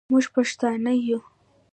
موږ پښتانه یو.